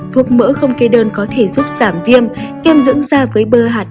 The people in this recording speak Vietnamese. thuốc mỡ không kê đơn có thể giúp giảm viêm tiêm dưỡng ra với bơ hạt